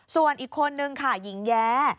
ส่วนอีกคนนึงค่ะหญิงแย้